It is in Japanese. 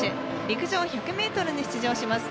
陸上１００ｍに出場します。